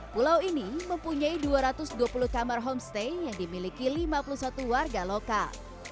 pulau ini mempunyai dua ratus dua puluh kamar homestay yang dimiliki lima puluh satu warga lokal